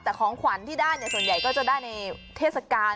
แต่ของขวัญที่ได้ส่วนใหญ่ก็จะได้ในเทศกาล